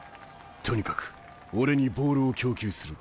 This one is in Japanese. とにかく俺にボールを供給する。